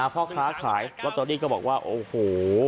พ่อค้าขายลอตเตอรี่ก็บอกว่าโอ้โห